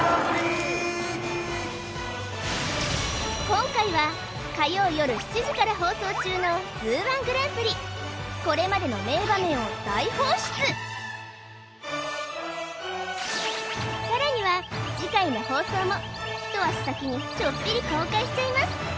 今回は火曜夜７時から放送中のＺＯＯ−１グランプリこれまでの名場面を大放出さらには次回の放送も一足先にちょっぴり公開しちゃいます